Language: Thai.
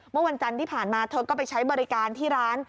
เมื่อวันจันทร์ที่ผ่านมาเธอก็ไปใช้บริการที่ร้าน